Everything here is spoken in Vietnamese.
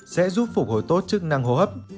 sẽ giúp phục hồi tốt chức năng hô hấp